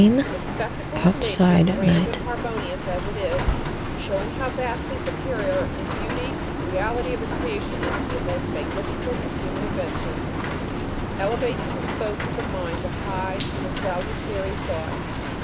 The spectacle of nature, grand and harmonious as it is, showing how vastly superior in beauty the reality of the creation is to the most magnificent of human inventions, elevates and disposes the mind to high and salutary thoughts.